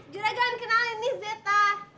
juragan kenalin nih zeta